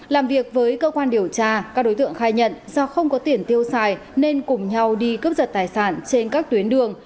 làm việc với cơ quan điều tra các đối tượng khai nhận do không có tiền tiêu xài nên cùng nhau đi cướp giật tài sản trên các tuyến đường